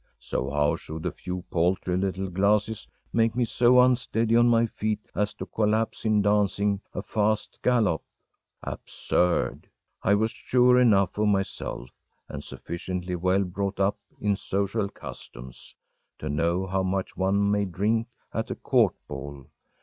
So how should a few paltry little glasses make me so unsteady on my feet as to collapse in dancing a fast gallop? Absurd! I was sure enough of myself, and sufficiently well brought up in social customs, to know how much one may drink at a court ball.